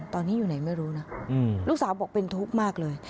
ตอนนี้อยู่ไหนไม่รู้นะลูกสาวบอกเป็นทุกข์มากเลย